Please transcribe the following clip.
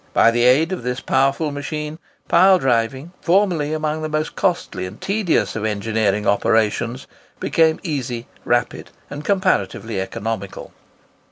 By the aid of this powerful machine, pile driving, formerly among the most costly and tedious of engineering operations, became easy, rapid, and comparatively economical.